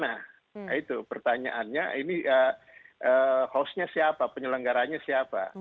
nah itu pertanyaannya ini hostnya siapa penyelenggaranya siapa